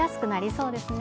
そうですね。